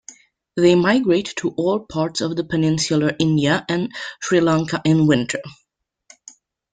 They migrate to all parts of peninsular India and Sri Lanka in winter.